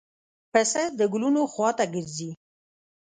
پسه د ګلونو خوا ته ګرځي.